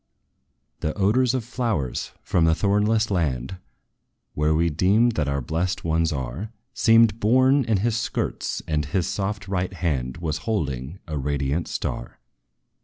The odors of flowers, from the thornless land Where we deem that our blest ones are, Seemed borne in his skirts; and his soft right hand Was holding a radiant star.